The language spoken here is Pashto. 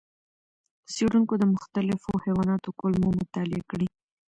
څېړونکو د مختلفو حیواناتو کولمو مطالعې کړې.